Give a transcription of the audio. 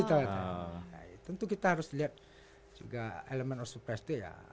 tentu kita harus lihat elemen of surprise itu ya